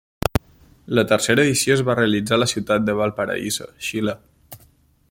La tercera edició es va realitzar a la ciutat de Valparaíso, Xile.